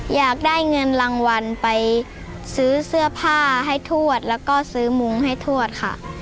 อยากได้เงินรางวัลไปซื้อเสื้อผ้าให้ทวดแล้วก็ซื้อมุ้งให้ทวดค่ะ